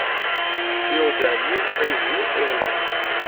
Yuɣ-d ɛemmi aydi iḍelli.